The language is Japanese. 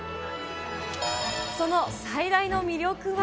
その最大の魅力は。